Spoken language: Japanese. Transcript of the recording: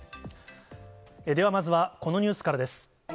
ではまずは、このニュースからです。